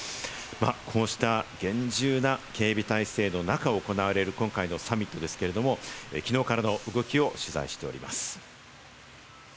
こうした厳重な警備体制の中、行われる、今回のサミットですけれど、きのうからの動きを取材しております。